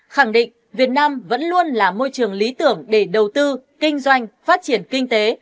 khẳng định việt nam vẫn luôn là môi trường lý tưởng để đầu tư kinh doanh phát triển kinh tế